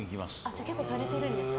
じゃあ結構されてるんですか？